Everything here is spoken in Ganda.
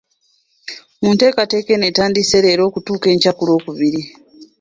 Mu nteekateeka eno etandise leero okutuuka enkya ku Lwokubiri.